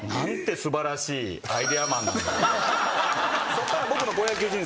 そこから僕の。